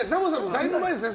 だいぶ前ですね